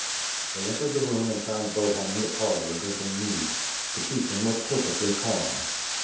They entered the room and found Bohun in the parlor drinking mead. The chieftain was perfectly calm.